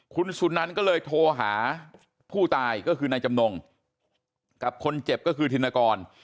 คุณสุนันก็เลยโทรหาผู้ตายก็คือนายจำนงกับคนเจ็บก็คือธินกร